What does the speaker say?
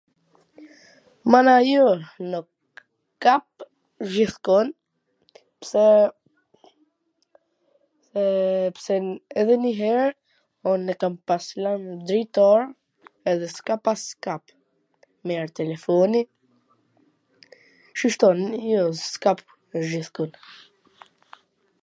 Mana, jo, nuk kap gjith kon, pse, pse edhe njw her un e kam pas lan drit or edhe s ka pas kap mir telefoni, shishtoni ju, s kap gjithkund